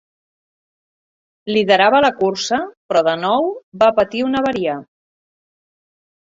Liderava la cursa, però, de nou, va patir una avaria.